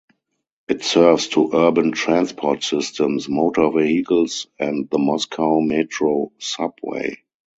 It serves two urban transport systems: motor vehicles and the Moscow Metro subway.